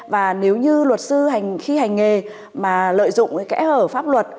và nếu như luật sư khi hành nghề mà lợi dụng cái kẽ hở pháp luật